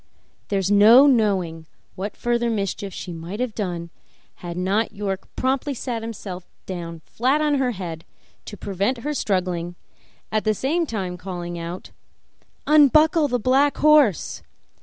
There is no knowing what further mischief she might have done had not York promptly sat himself down flat on her head to prevent her struggling, at the same time calling out, "Unbuckle the black horse!